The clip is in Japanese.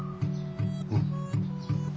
うん。